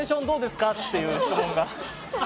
どうですか？」っていう質問が。